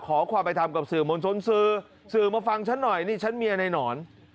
ขอความไปทำกับสื่อมวลชนสื่อสื่อมาฟังฉันหน่อยนี่ฉันเมียในหนอน